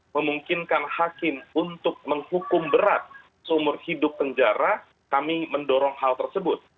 memungkinkan hakim untuk menghukum berat seumur hidup penjara kami mendorong hal tersebut